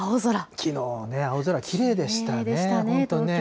きのうね、きれいでしたね、東京。